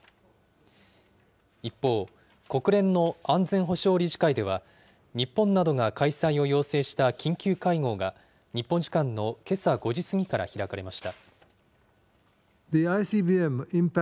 一方、国連の安全保障理事会では、日本などが開催を要請した緊急会合が、日本時間のけさ５時過ぎから開かれました。